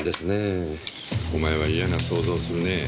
お前は嫌な想像をするねぇ。